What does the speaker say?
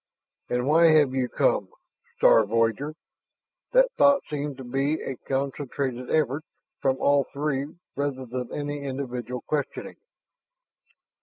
"And why have you come, star voyager?" That thought seemed to be a concentrated effort from all three rather than any individual questioning.